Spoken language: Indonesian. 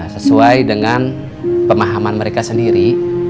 sesuai dengan pemahaman mereka sendiri